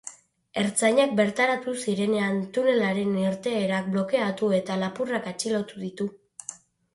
Ertzainak bertaratu zirenean, tunelaren irteerak blokeatu eta lapurrak atxilotu ditu.